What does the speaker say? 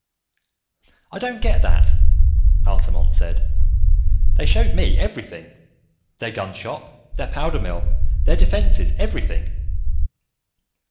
"I don't get that," Altamont said. "They showed me everything their gunshop, their powder mill, their defenses, everything."